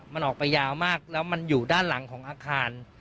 มันออกไปยาวมากแล้วมันอยู่ด้านหลังของอาคาร